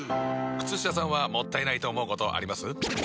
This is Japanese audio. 靴下さんはもったいないと思うことあります？